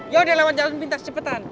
yaudah lewat jalan pintas cepetan